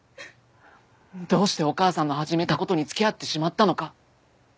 どうしてお母さんの始めたことにつきあってしまったのか。